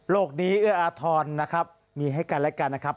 โลกนี้เอื้ออทรนะครับมีให้กันรายการนะครับ